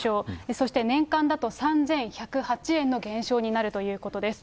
そして年間だと３１０８円の減少になるということです。